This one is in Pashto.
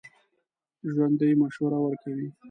ژوندي مشوره ورکوي